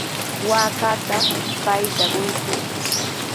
Waakata payta quykuu.